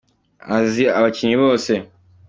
azi abakinnyi bose.